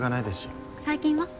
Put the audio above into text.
最近は？